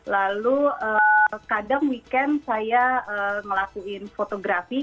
lalu kadang weekend saya ngelakuin fotografi